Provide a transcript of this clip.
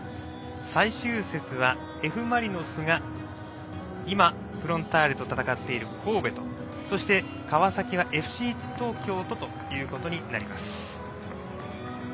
最終節は、Ｆ・マリノスが今、フロンターレと戦っている神戸とそして、川崎はＦＣ東京とということになります。